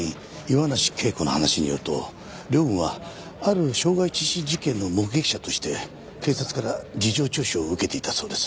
岩梨桂子の話によると凌雲はある傷害致死事件の目撃者として警察から事情聴取を受けていたそうです。